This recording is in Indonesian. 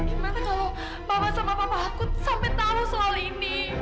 gimana kalau mama sama papa aku sampai tahu soal ini